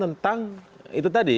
tentang itu tadi